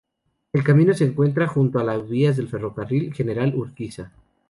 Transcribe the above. El camino se encuentra junto a las vías del Ferrocarril General Urquiza.